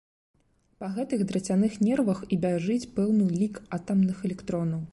Па гэтых драцяных нервах і бяжыць пэўны лік атамных электронаў.